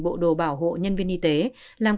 bộ đồ bảo hộ nhân viên y tế làm